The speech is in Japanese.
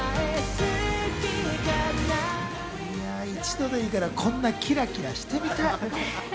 一度でいいからこんなにキラキラしてみたい。